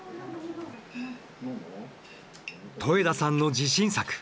戸枝さんの自信作。